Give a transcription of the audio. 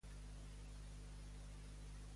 Què va ocórrer amb el seu disc Otra Realidad?